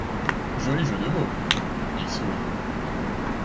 Joli jeu de mots. Il sourit.